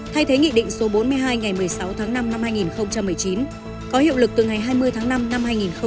thay thế nghị định số bốn mươi hai ngày một mươi sáu tháng năm năm hai nghìn một mươi chín có hiệu lực từ ngày hai mươi tháng năm năm hai nghìn hai mươi